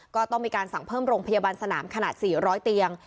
ก็ต้องมีการสั่งเพิ่มโรงพยาบาลสนามขนาด๔๐๐เตียง